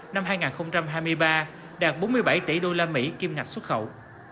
năm hai nghìn hai mươi ba đạt bốn mươi bảy tỷ usd kiêm ngạch xuất khẩu